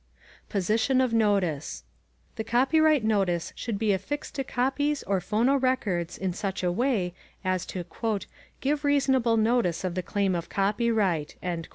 Position of Notice The copyright notice should be affixed to copies or phonorecords in such a way as to "give reasonable notice of the claim of copyright."